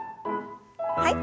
はい。